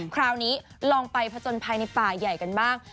คราวนี้ลองไปผจญภัยในป่าใหญ่กันบ้าง